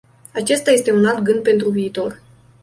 Acesta este un alt gând pentru viitor.